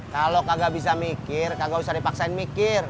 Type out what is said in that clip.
kalo kagak bisa mikir kagak usah dipaksain mikir